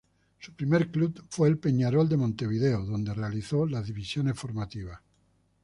Su primer club fue el Peñarol de Montevideo donde realizó las divisiones formativas.